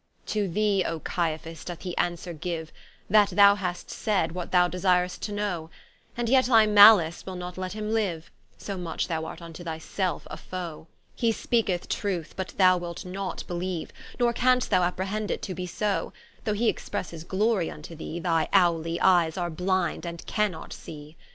To thee O Caiphas doth he answere giue, That thou hast said, what thou desir'st to know, And yet thy malice will not let him liue, So much thou art vnto thy selfe a foe; He speaketh truth, but thou wilt not beleeue, Nor canst thou apprehend it to be so: Though he expresse his Glory vnto thee, Thy Owly eies are blind, and cannot see.